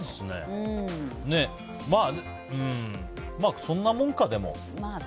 まあ、そんなもんか、でも。